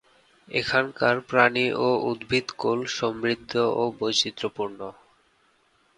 এখানকার প্রাণী ও উদ্ভিদকুল সমৃদ্ধ ও বৈচিত্র্যপূর্ণ।